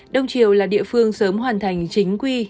đông triều là địa phương sớm hoàn thành chính quy